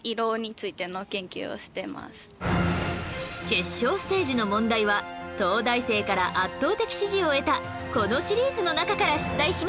決勝ステージの問題は東大生から圧倒的支持を得たこのシリーズの中から出題します